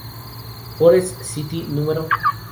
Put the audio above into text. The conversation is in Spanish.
Forest City No.